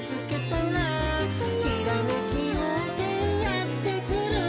「ひらめきようせいやってくる」